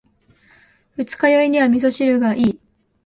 二日酔いには味噌汁がいい。